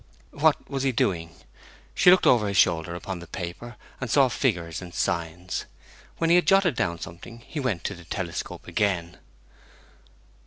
What was he doing? She looked over his shoulder upon the paper, and saw figures and signs. When he had jotted down something he went to the telescope again.